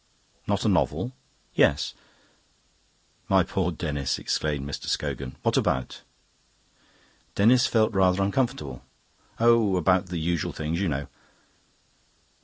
"Not a novel?" "Yes." "My poor Denis!" exclaimed Mr. Scogan. "What about?" Denis felt rather uncomfortable. "Oh, about the usual things, you know."